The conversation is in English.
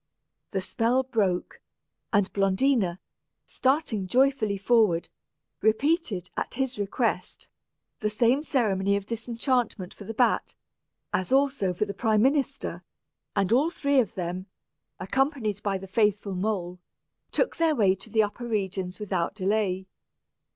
The spell broke, and Blondina, starting joyfully forward, repeated, at his request, the same ceremony of disenchantment for the bat, as also for the prime minister; and all three of them, accompanied by the faithful mole, took their way to the upper regions without delay.